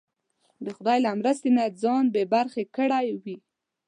د خدای له مرستې نه ځان بې برخې کړی وي.